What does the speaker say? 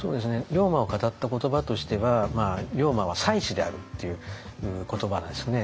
龍馬を語った言葉としては「龍馬は才子である」っていう言葉なんですね。